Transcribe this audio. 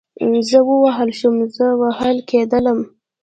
زه ووهل شوم, زه وهل کېدلم